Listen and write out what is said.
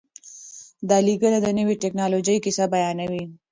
دا لیکنه د نوې ټکنالوژۍ کیسه بیانوي.